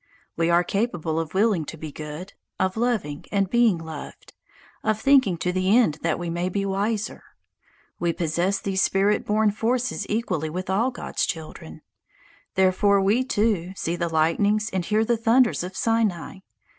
We are capable of willing to be good, of loving and being loved, of thinking to the end that we may be wiser. We possess these spirit born forces equally with all God's children. Therefore we, too, see the lightnings and hear the thunders of Sinai.